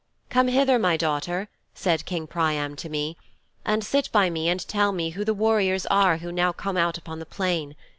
"Come hither, my daughter," said King Priam to me, "and sit by me and tell me who the warriors are who now come out upon the plain.